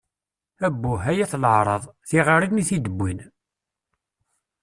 Abbuh, ay at leεṛaḍ! Tiɣirin i t-id-ppwin!